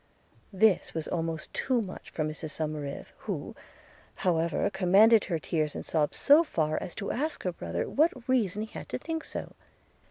This was almost too much for poor Mrs Somerive, who however commanded her tears and sobs so far as to ask her brother what reason he had to think so.